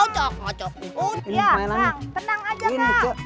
tenang aja kak